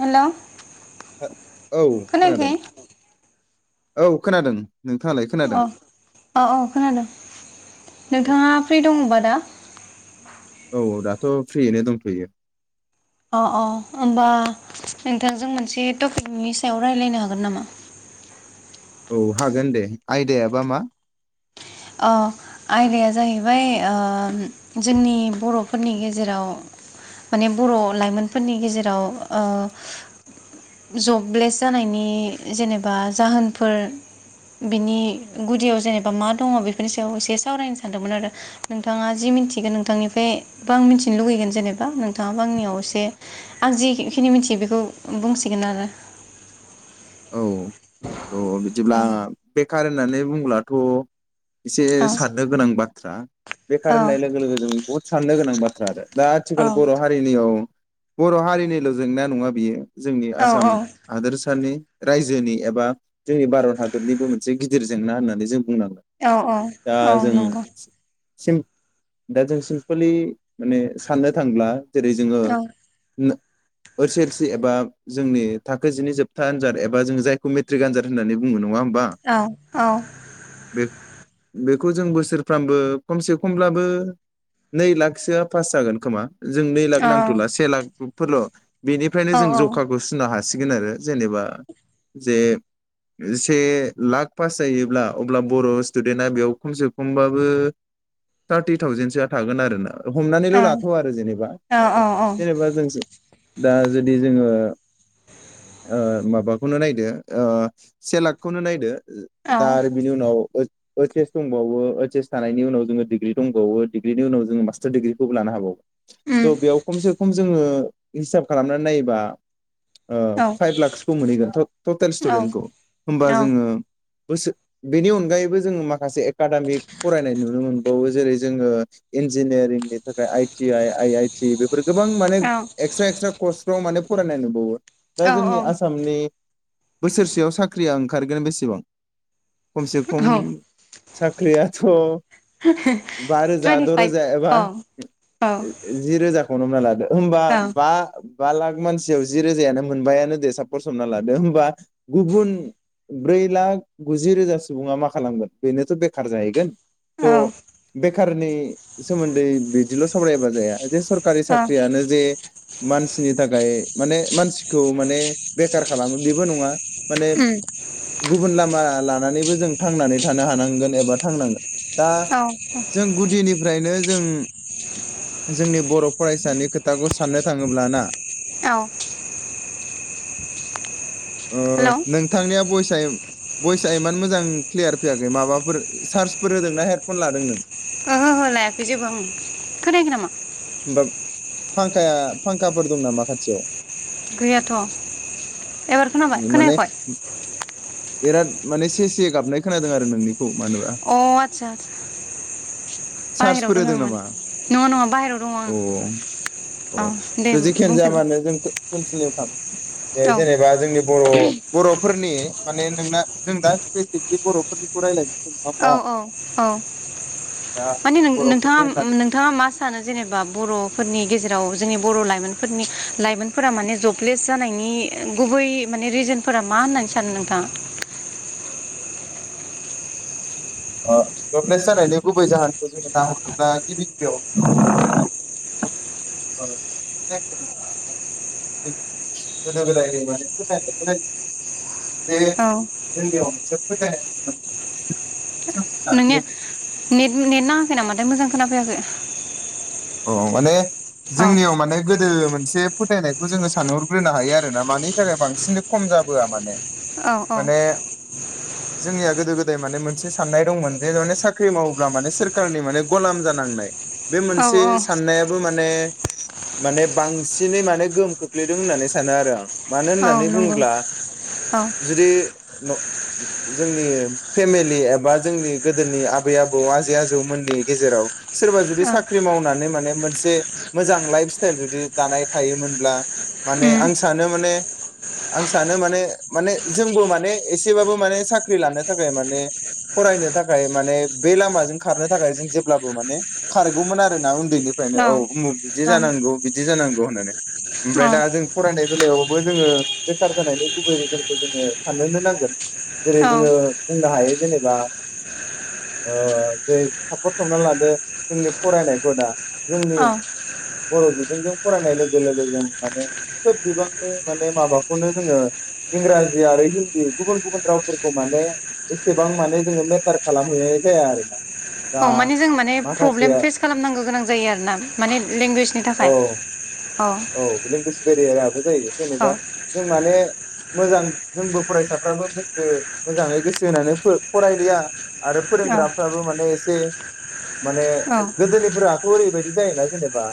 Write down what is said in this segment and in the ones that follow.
[inaudible] Hello औ खोनादों खोनायाखै? औ खोनादों। नोंथाङालाय खोनादों अ अ अ खोनादों। औ नोंथाङा फ्रि दङबा दा? [inaudible] औ दाथ' फ्रियैनो दंथ'यो। अ अ होमबा नोंथांजों मोनसे टपिकनि सायाव रायलायनो हागोन नामा? औ हागोन दे। आयदायाबा मा? अ आयदाया जाहैबाय ओ जोंनि बर'फोरनि गेजेराव माने बर' लाइमोनफोरनि गेजेराव ओ जबलेस जानायनि जेनेबा जाहोनफोर बिनि गुदियाव जेनेबा मा दङ बेफोरनि सायाव एसे सावरायनो सानदोंमोन आरो नोंथाङा जि मिन्थिगोन नोंथांनिफ्राय बा आं मिन्थिनो लुुबैगोन जेनेबा नोंथाङाबा आंनियाव एसे आं जिखिनि मिन्थियो बेखौ बुंसिगोन आरो। औ थ' औ बिदिब्ला बे खार होननानै बुंब्लाथ' एसे औ साननो गोनां बाथ्रा। बेखार औ होननाय लोगो लोगो जों बुहुद साननो गोनां बाथ्रा आरो। दा आथिखाल बर' हारिनियाव बर' हारिनिल' जेंना नङा बियो। जोंनि आसाम औ हादोरसानि रायजोनि एबा जोंनि भारत हादरनिबो मोनसे गिदिर जेंना होननानै जों बुंनांगोन औ औ दा औ जों नंगौ। दा जों सिम्पलि माने साननो थांब्ला जेरै जोङो औ नंगौ ओस एस एल सि एबा जोंनि थाखो जिनै जोबथा आनजाद एबा जों जायखौ मेट्रिक आनजाद होननानै बुंङो नङा होन औ औ बेखौ जों बोसोरफ्रामबो खमसे खमब्लाबो नै लाखसोआ पास जागोन खोमा जों नै लाख नांथ'ला से लाख [unintelligible] बेनिफ्रायनो औ जों जखाखौ सुनो हा हासिगोन आरो जेनेबा जे से लाख पास जायोब्ला अब्ला बर' स्टुडेन्टआ बेयाव खमसे खमबाबो थार्टि थावजेनसोआ थागोन आरो ना औ हमनानैल' लाथ' आरो जेनेबा औ औ जेनेबा जों दा जुदि जोङो ओ माबा माबाखौनो नायदो से लाखखौनो नायदो औ दा आरो बिनि उनाव ओइस एस दंबावो ओइस एस थानायनि उनावबो जोङो दिग्रि दंबावो दिग्रिनि उनाव जोङो मास्टार दिग्रिखौबो लानो हाबावो उम थ' बेयाव खमसे खम जोङो हिसाब खालामनानै नायोबा औ फाइभ लाकस खौ मोनहैगोन टटेल औ स्टुडेन्टखौ होमबा जोङो बोसो बेनि अनगायैबो जोङो माखासे एकाडेमिक फरायनाय नुनो मोनबावो जेरै जोङो इन्जिनियारिंनि थाखाय I T I I I T बे बे गोबां माने औ एक्सट्रा एक्सट्रा कस्फ्राव माने फरायनाय नुबावो दा औ जोंनि औ आसामनि बोसोरसेयाव साख्रि ओंखारगोन बेसेबां खमसे खम औ साख्रियाथ बा रोजा द' टुइन्टिफाइभ रोजा एबा औ औ जि रोजाखौनो हमना लादो होमबा औ बा बा लाख मानसियाव जि रोजायानो मोनबायानो दे सा पस हमना लादो होमबा गुबुन ब्रै लाख गुजि रोजा सुबुङा मा खालामगोन बेनोथ बेखार जाहैगोन त औ बे बेखारनि सोमोन्दै बिदिल सावरायाबा जाया जास्त सरकारि ओ साख्रियानो जे मानसिनि थाखाय माने मानसिखौ माने बेखार खालामो बेबो नङा माने उम गुबुन लामा लानानैबो जों थांनानै थानो हानांगोन एबा थांनांगोन दा औ जों गुदिनिफ्रायनो जों जोंनि बर'फरायसानि खोथाखौ साननो थाङोब्ला ना औ ओ हेलौ नोंथांनिया भयसा भइस आ एमान मोजां क्लियार फैयाखै माबाफोर चार्जफोर होदोंना हेडफन लादों नों ओहो हो लायाखै जेबो आं खोनायाखै नामा होमबा फांखाया-फांखाफोर दं नामा खाथियाव गैयाथ एबार खोनाबाय माने खोनायाखय बिराद माने सेसे गाबनाय खोनादों आरो नोंनि अ आदसा बाहेराव चार्जफोर दंङ होदों आं माने नामा नङा नङा बाहेराव दंङ आं अ औ दे बुंफिन खामसालियाव थां जेनेबा जोंनि बर'- ब'रफोरनि माने नोंना जों दा स्पेसिफिकलि बर'फोरनिखौ रायलायनो औ औ औ दा माने बर'फोरनि होननानै नों-नोंथाङा-नोंथाङा मा सानो जेनेबा बर'फोरनि गेजेराव जोंनि बर'लायमोनफोरनि लायमोनफोरा माने जबलेस जानायनि गुबै माने रिजोनफोरा मा होननानै सानो नोंथाङा ओ जबलेस जानायनि गुबै जाहोनखौ जोंङो नाहरगोना गिबि गिबियाव गोदो गोदाय माने फोथायनाय बेे औ जों बेयाव जों फोथायाखैमोन नोंनिआ नेत नेत नांआ‌‌ खै नामाथाय मोजां खोनाफैयाखै अ माने औ जोंनियाव माने गोदो एसे फोथायनायखौ जोंङो सानहरग्रोनो हायो आरो ना मानि थाखाय बांसिन खम जाबोआ माने औ औ माने जोंनिया गोदो गोदाय माने मोनसे साननाय दंमोन जेन साख्रि मावोब्ला माने सोरखारनि माने गलाम जानांनाय बे मोन औ से साननायाबो मा ने माने बांसिनै माने गोहोम खोख्लैदों होननानै सानो आरो आं। मानो औ होननानै नंगौ बुङोब्ला औ जुदि जोंनि फेमिलि एबा जोंनि गोदोनि आबै आबौ आजै आजौमोननि गेजेराव सोरबा जुदि सा नानै माने मोनसे मोजां लाइफ स्टाइल जुदि दानाय थायोमोनब्ला माने उम आं सानो माने आं सानो माने माने जोंबो माने एसेबाबो माने साख्रि लानो थाखाय माने फरायनो थाखाय माने बे लामाजों खारनो थाखाय जों जेब्लाबो माने खार गौमोन आरो ना। उन्दैनिफ्रायनो औ उमुख बिदि जानांगौ बिदि जानांगौ होननानै। ओमफ्राय दा जों फरायनाय बेलायावबो जोङो बेखार जानायनि गुबै रिजोनखौ जोङो साननोनो नांगोन। जेरै औ जोङो बुंनो हायो जेनेबा ओ जे सापस हमना लादो जोंनि फरायनायखौ दा जोंनि औ बर' बिजोंजों फरायनाय लोगो लोगो जों माने खोब बिबांनि माने माबाखौनो जोङो इंराजि आरो हिन्दी गुबुन गुबुन रावफोरखौ माने एसेबां माने जोङो मेटार खालामहैनाय जाया आरोना। दा औ माने जों माने प्रब्लेम माखासेया फेस खालामनांगौ गोनां जायो आर ना माने लेंगुवेजनि थाखाय। अ बेरेआदाबो जायो जेनेबा जों माने मोजां जोंबो फरायसाफ्राबो गोसो मोजाङै गोसो होनानै फरायलिया आरो औ फोरोंग्राफ्राबो माने एसे माने औ गोदोनिफोरा बोरैबायददि जायोना जेनेबा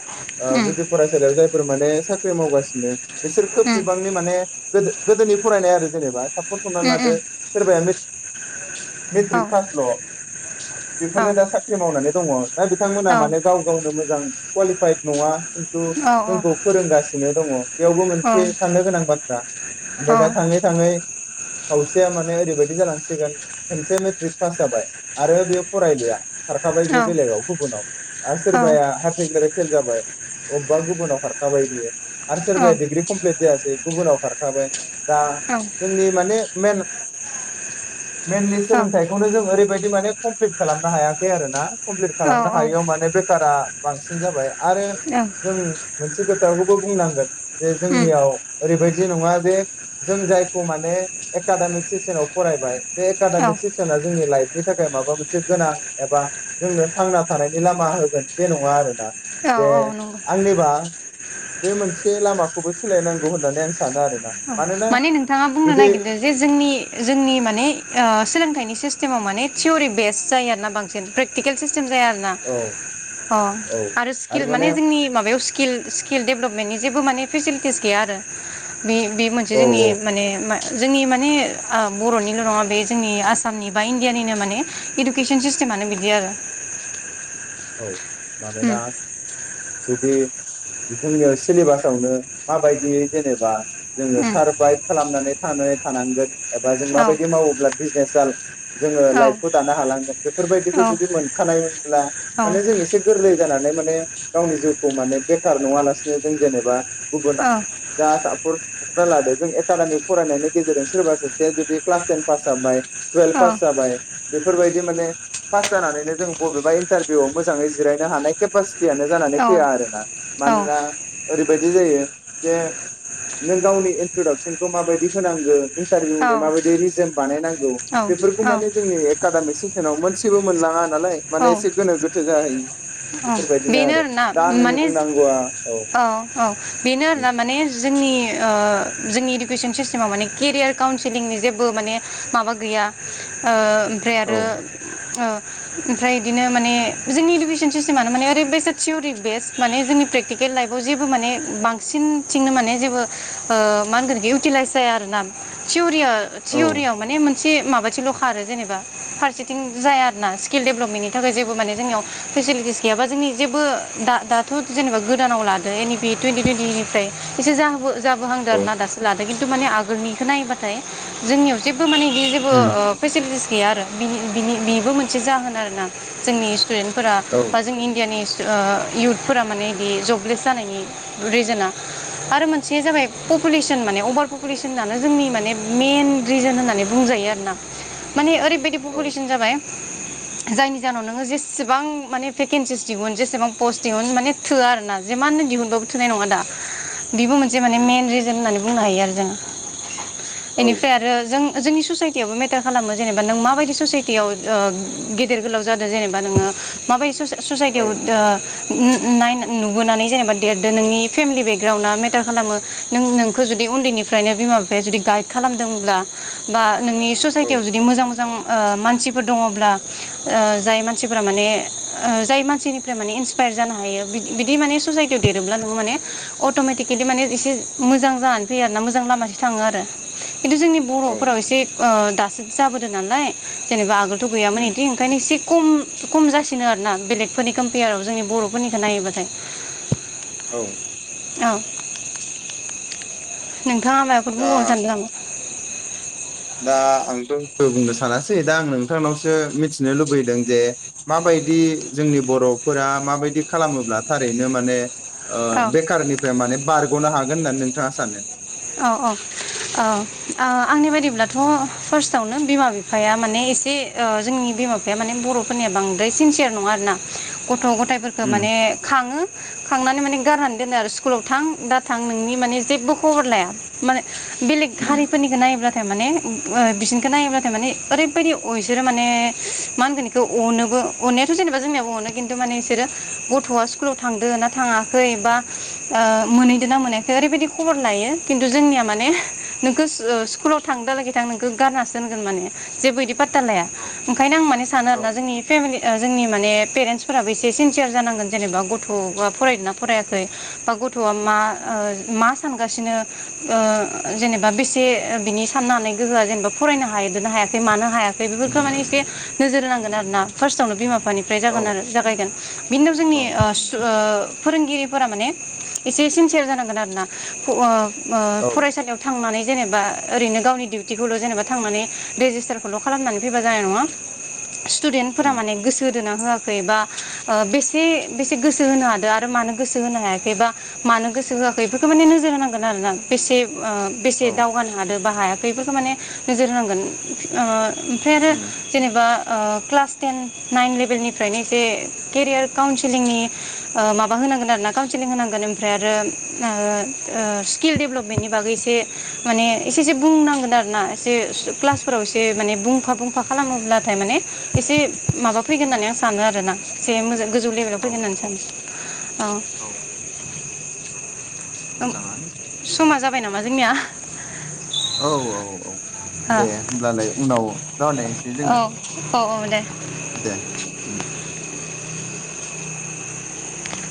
ओ उम गुदि फरायसालियाव जाय जायफोर माने साख्रि मावगासिनो बिसोर खोब उम बिबांनि माने गोदो-गोदोनि फरायनाय आरो जेनेबा साब फसंनानै उम लादो उम सोरबाया औ मेट्रिक पासल' औ बेफोरनो दा साख्रि मावनानै दङ दा बिथांमोना औ माने गाव गावनो मोजां क्वालिफाइ नङा। खेन्थु औ जोंखौ फोरोंगासिनो दङ बेयावबो औ मोनसे साननो गोनां बाथ्रा ओमफ्राय दा थाङै थाङै खावसेया माने ओरैबायाददि जालांसिगोन खनसे मेट्रिक पास जाबाय आरो बेयो फरायलिया। खारखाबाय बे बेलेगाव गुबुनाव आरो औ सोरबाया हायार सेकेण्डारि फेल जाबाय अ बावबा गुबुनाव खारखाबाय बियो आरो औ सोरबाया डग्रि कमप्लिट जायासै? गुबुनाव खारखाबाय दा औ उम जोंनि माने मेन मेनलि सोलोंथाइखौनो जों ओरैबायदि बिदि माने कमप्टि खालामनो हायाखै आरोना कमप्लिट औ खालामनो हायैयाव माने बेखारा बांसिन जाबाय। आरो जों मोनसे खोथाखौबो बुंनांगोन जे जोंनियाव ओरैबायदि नङा जे जों जायखौ माने एकाडेमिक सेसनाव फरायबाय बे एकाडेमिक सेसना जोंनि लाइभ बेनि थाखाय माबा मोनसे गोनां एबा जोंनो थांना थानायनि लामा होगोन बे नङा आरोना औ जे औ नंगौ आंनिबा बे मोनसे लामाखौबो सोलायनांगौ होननानै आं सानो आरोना। मानोना माने नोंथाङा बुंनो जुदि नागिरदों जे जोंनि जोंनि माने ओ सोलोंथाइनि सिस्टेम । सिस्टेमावाने थियरि बेस्ट जायोना बांसिन प्रेटिकेल सिस्तिम जाया आरोना औ अ औ आरो स्किल माने जोंनि माबायाव सकि स्किल डेभेलपमेन्टनि जेबो माने फेसिलितिस गैया आरो औ औ जोंनि माने मा जोंनि माने बर'निल' नङा बे जोंनि आसामनि बा इण्डियानिनो माने इडुकेसन सिस्टेमानो बिदि आरो। औ उम मानोना जुदि जोंनियाव सिलेबासावनो माबायदि जेनेबा जोङो उम सारभाइभ खालामनानै थानो थानांगोन एबा जों औ माबायदि मावोब्ला बिजनेसा जोङो औ लाइफखौ दानो हालांगोन औ बेफोरबायदिखौ जुदि मोनखानायमोनब्ला औ माने जों एसे गोरलै जानानै माने गावनि जिउखौ माने बेखार नङालासिनो जों जेनेबा गुबुना औ जा सापरस सुफरना लादो जों एकाडेमिक फरायनायनि गेजेरजों सोरबा सासे जुदि क्लास टेन पास जानाय टुवेल्भ पास जानाय बेफोरबायदि माने पास जानानैनो जों बबेबा इन्टारभिउ मोजाङै जिरायनो हानाय केपास- टियानो जानानै फैया आरोना औ मानोना ओरैबादि बिदि जायो जे नों गावनि इन्ट्रदाक्सनखौ माबायदि होनांगौ न्टारभिउनि माबायदि रिजोम बानायनांगौ बेफोरखौ औ माने जोंनि एकाडेक सिसनाव मोनसेबो मोनलाङानो नालाय औ माने एसे गोथो जाहैयो बेफोरबायदिनो बेनो आरो आरोना दा आंनि माने बुंनांगौआ औ औ बेनो आरोना माने जोंनि ओ जोंनि इडुकेसन सिस्टेमाव माने केरियार काउन्सिलिंनि जेबो माने माबा गैया ओ ओमफ्राय औ आरो ओ [unintelligible] ओमफ्राय बिदिनो माने जोंनि इडुकेसन सिस्टेमानो माने ओरै बैसा थिवरि बेस माने जोंनि प्रेकटिकेल लाइफआव जेबो माने बांसिनथिंनो माने जेबो ओ मा होनगोन इउटिलाइस जाया आरो ना थिव रि औ थिवरियाव माने मोन से माबाथिल' खारो जेनेबा फारसेथिं जाया आरो ना स्किल डेभपमेन्टनि थाखाय जेबो माने जोंनियाव फेसिलिटिस गैयाबा जोंनि जेबो दा दाथ' जेनेबा गोदानाव लादो एनि पि टुइन्टि टुइन्टिनिफ्राय एसे जाबोनो नांगोन आरोना दासो लादों खिनथु माने आगोलनिखौ नायबाथाय जोंनियाव जेबो माने आदि जेबो उम ओ पेलिटिस गैया आरो बि बिनि मोनसे जाहोन आरोना जोंनि स्टुडेन्टफोरा औ बा जों इणडियानि ओ इयुथफोरा माने बिदि जबलेस जानायनि रिजोन आरो मोनसेया जाबाय पपुलेसन माने अभार पपुलेसनानो जोंनि माने मेइन रिजोन होननानै बुंजायो आरोना माने ओरै बेबायदि औ पपुेलेसन जाबाय जायनि जाहोनाव नोङो जेसेबां माने भेकेन्सिस दिहुन जेसेबां पस्ट दिहुन माने थोआ आरो ना जेमाननो दिहुनबाबो थोनाय नङा दा बिबो मोनसे माने उम मेन रिजोन होननानै बुंनो हायो आरो जोङो औ बेनिफ्राय आरो जों जोंनि ससायटियावबो मेटार खालामो जेनेबा नों माबायदि ससाइटियाव ओ गेदेर गोलाव जादों जेनेबा नोङो माबादि औ ससाइटियाव नाय नुबोनानै जेनेबा देरदो नोंनि फेमिलि बेकग्राउणडआ मेटार खालामो नों नोंखौ जुदि उन्दैनिफ्रायनो बिमा बिफाया जुदि गाइद खालामदोंब्ला बा नोंनि औ ससायटियाव जुदि मोजां मोजां ओ मानसि फोर दङब्ला जाय मानसिफ माने जाय मानसिनिफ्राय माने इन्सपायार जानो हायो बिदि माने ससाइटियाव देरोब्ला नोङो माने अट'मेटिकेलि माने एसे मोजां जानानै फैयो आर ना मोजां लामासो थाङो आरो खिन्थु जोंनि औ बर'फोराव एसे ओ दासो जाबोदों नालाय जेनबा आगो थ' गैयाम उम बिदि ओंखायनो एसे खम खम जासिनो आरोना बेलेगफोरनिखौ फैयाराव जोंनि बर'फोरनिखौ नायोबाथाय [inaudible] औ। औ। नोंथाङा माबाफोर दा बुंबावनो सान्दों नामा? [inaudible] दा आंथ' बुंनो सानासै दा आं नोंथांनावसो मिथिनो लुबैदों जे माबायदि जोंनि बर'फोरा माबायदि खालामोब्ला थारैनो माने ओ औ बेखारनिफ्राय माने बार गनो हागोन होननानै नोंथाङा सानो? अ अ ओ ओ आंनि बायदिब्लाथ' फार्स्टआवनो बिमा बिफाया माने एसे ओ जोंनि बिमा बिफाया माने बर'फोरनिया बांद्राय सिनसियार नङा आरोना गथ' ग थायफोरखौ उम माने खाङो । खांनानै माने गारनानै दोनो आरो स्कुलाव थां दा थां नोंनि माने जेबो खबर लाया। [unintelligible] बेलेग उम हारिफोरनिखौ नायोब्ला माने [unintelligible] नायोब्लाथाय माने ओरैबायदि अ बिसोरो माने मा होनगोन इखौ अनोबो अनायाथ' जेनेबा जोंनियाबो अनो खिन्थु माने इसोरो गथ'आ स्कुलाव थांदों ना थाङाखै बा ओ मोनहैदो ना मोनाखै ओरैबायदि खबर लायो। खिन्थु जोंनिया माने नोंखो [unintelligible] स्कुलाव थां दालागै थां नोंखौ गारनासो दोनगोन माने जेबो इदि पात्ता लाया। औ ओंखायनो आं माने सानो औ आरोना जोंनि फेमिलि ओ जोंनि माने पेरेन्टसफोराबो एसे सिनसियार जानांगोन जेनेबा गथ'बा फरायदोंना फरायाखै बा गथ'आ मा ओ उम मा सानगासिनो। ओ जेनेबा बेसे बिनि साननो हानाय गोहोआ जेनेबा फरायनो हायादों ना हायाखै मानो हायाखै बेफोरखौ माने एसे नोजोर होनांगोन आरोना फास्टआवनो बिमा बिफा [unintelligible] निफ्राय औ जागोन आरो जागायगोन। बिनि उनाव जोंनि ओ [unintelligible] फोरोंगिरिफोरा माने एसे सिनसियार जानांगोन आरो ना [unintelligible] ओ औ फरायसालियाव थांनानै। जेनोबा ओरैनो गावनि दिउटिखौल जेनेबा थांनानै रेजिस्टारखौल खालामनानै फैबा जानाय नङा। सितुदेनफोर उम माने गोसो होदोंना होआखै बा ओ बेसे बेसे गोसो होनो हादों आरो मानो गोसो होनो हायाखै बा मानो गोसो होआखै इफोरखौ माने नोजोर होनां [unintelligible] ओ बेसे औ दावगानो हादों। बा हायाखैफोरखौ माने नोजोर होनांगोन ओ ओमफ्राय आरो उम जेनेबा ओ क्लास टेन नाइन लेभेलनिफ्रायनो जे केरियार काउनसिलिंनि ओ माबा होनांगोन आरोना काउनसिलिं होनांगोन ओमफ्राय आरो ओ ओ स्किल डेभलपमेन्टनि बागै एसे माने एसे एसे बुंनांगोन आरो ना एसे क्लासफोराव एसे माने बुंफा बुंफा खालामोब्लाथाय माने एसे माबा फैगोन उम होननानै आं सानो आरोना। जे मोजां गोजौ लेभेलाव औ फैगोन होननानै औ सानो ओ। [inaudible] औ ओं मोजाङानो समा जा बाय नामा जोंनिया। औ औ औ औ दे होमब्लालाय उनाव रायलायनोसै जोङो औ औ दे दे उम। [inaudible]